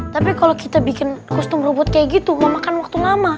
tapi kalau kita bikin kosum robot kayak gitu